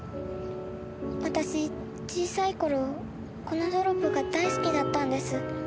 私小さい頃このドロップが大好きだったんです。